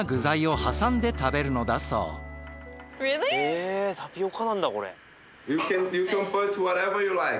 へえタピオカなんだこれ。